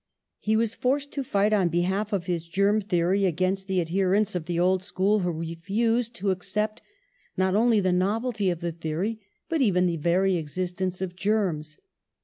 He was forced to fight on be half of his germ theory against the adherents of the old school who refused to accept not only the novelty of the theory, but even the very existence of germs.